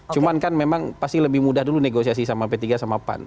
cuman kan memang pasti lebih mudah dulu negosiasi sama p tiga sama pan